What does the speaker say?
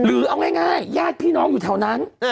เอาง่ายญาติพี่น้องอยู่แถวนั้น